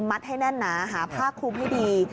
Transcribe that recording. ให้แน่นหนาหาผ้าคลุมให้ดี